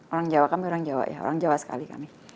orang jawa kami orang jawa ya orang jawa sekali kami